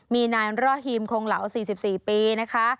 มีนายร่อฮีมคงเหลา๔๔ปีนะคะ